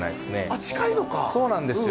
あっ近いのかそうなんですよ